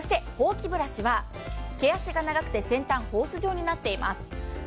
そして、ほうきブラシは毛足が長くて先端がホース状になっています。